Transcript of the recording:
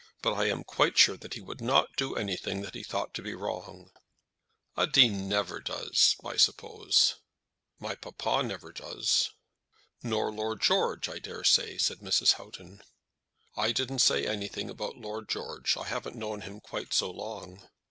But I am quite sure that he would not do anything that he thought to be wrong." "A Dean never does, I suppose." "My papa never does." "Nor Lord George, I dare say," said Mrs. Houghton. "I don't say anything about Lord George. I haven't known him quite so long."